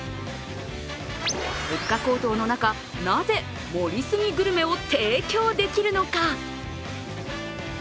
物価高騰の中、なぜ盛り過ぎグルメを提供できるのか。